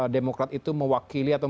demokrat itu mewakili atau